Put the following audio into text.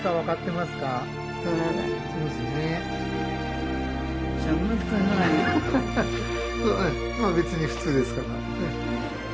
まあ別に普通ですから。